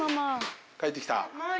帰ってきた。